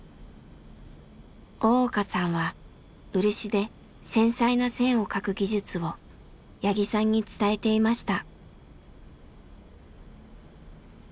大岡さんは漆で繊細な線を描く技術を八木さんに伝えていました。